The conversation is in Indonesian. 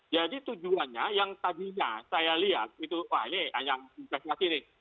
jadi tujuannya yang tadinya saya lihat itu wah ini yang investasi nih